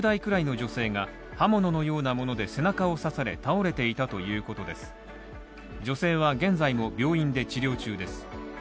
女性は現在も、病院で治療中です。